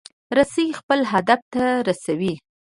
رسۍ خپل هدف ته رسوي.